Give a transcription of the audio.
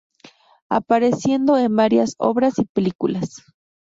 Apareciendo en varias obras y películas.